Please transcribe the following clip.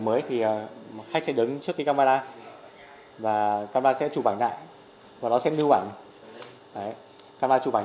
mới thì khách sẽ đứng trước cái camera và camera sẽ chụp ảnh lại và nó sẽ lưu ảnh camera chụp ảnh